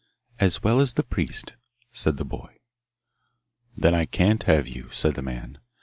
'As well as the priest,' said the boy. Then I can't have you,' said the man.